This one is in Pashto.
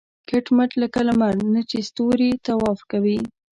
کټ مټ لکه لمر نه چې ستوري طواف کوي.